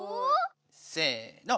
せの。